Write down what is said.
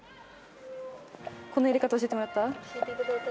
このやり方、教えてもらった？